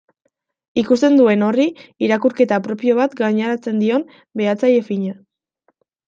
Ikusten duen horri irakurketa propio bat gaineratzen dion behatzaile fina.